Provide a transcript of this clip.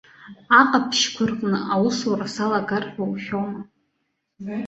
Аҟаԥшьқәа рҟны аусура салагар ҳәа ушәома?